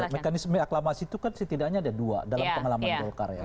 mekanisme aklamasi itu kan setidaknya ada dua dalam pengalaman golkar ya